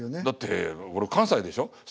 だって俺関西でしょ？